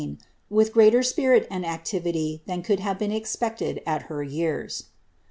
211 E^n, with greater 'spirit and activity than could have heen expected at r years.